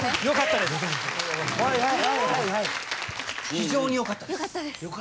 よかったです。